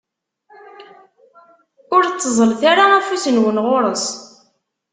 Ur tteẓẓlet ara afus-nwen ɣur-s!